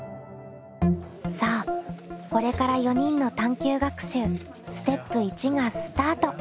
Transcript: さあこれから４人の探究学習ステップ１がスタート！